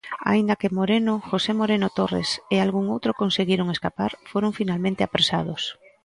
Aínda que Moreno, José Moreno Torres, e algún outro conseguiron escapar, foron finalmente apresados.